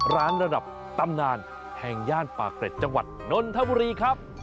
ระดับตำนานแห่งย่านปากเกร็ดจังหวัดนนทบุรีครับ